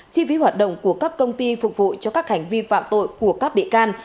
chi phí hoạt động của các công ty phục vụ cho các hành vi phạm tội của các bị can